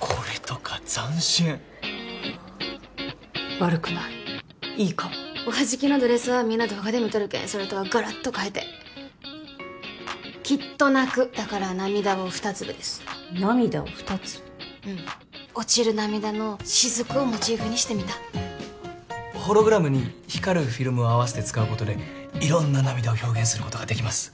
これとか斬新悪くないいいかもおはじきのドレスはみんな動画で見とるけんそれとはガラッと変えて「きっと泣く」だから涙を２粒です涙を２粒うん落ちる涙の滴をモチーフにしてみたホログラムに光るフィルムを合わせて使うことで色んな涙を表現することができます